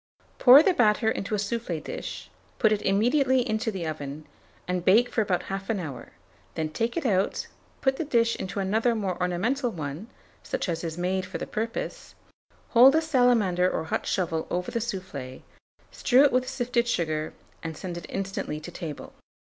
Pour the batter into a soufflé dish, put it immediately into the oven, and bake for about 1/2 hour; then take it out, put the dish into another more ornamental one, such as is made for the purpose; hold a salamander or hot shovel over the soufflé, strew it with sifted sugar, and send it instantly to table.